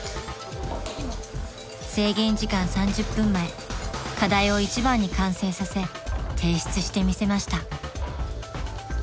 ［制限時間３０分前課題を一番に完成させ提出してみせました］